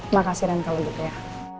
makasih ren kalau gitu ya